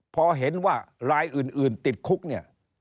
พอเห็นว่ารายอื่นติดคุกเนี่ย